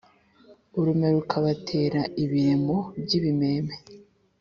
urume rukabatera ibiremo by’ibimeme